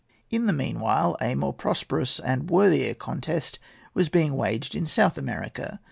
In the meanwhile a more prosperous and worthier contest was being waged in South America.